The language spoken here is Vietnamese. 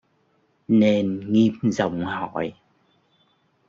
Nên Nghiêm giọng hỏi